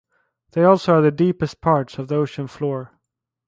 They also are the deepest parts of the ocean floor.